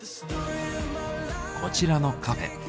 こちらのカフェ。